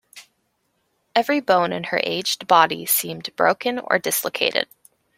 Every bone in her aged body seemed broken or dislocated.